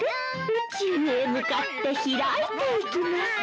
宇宙へ向かって開いていきます！